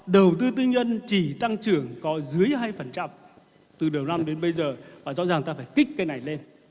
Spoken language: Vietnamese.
đầu tư tư nhân chỉ tăng trưởng có dưới hai từ đầu năm đến bây giờ và rõ ràng ta phải kích cây này lên